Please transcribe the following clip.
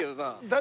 誰？